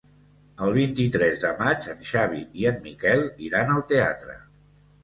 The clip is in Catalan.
El vint-i-tres de maig en Xavi i en Miquel iran al teatre.